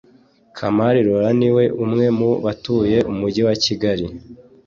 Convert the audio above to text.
Kamari Laurent ni umwe mu batuye umujyi wa Kigali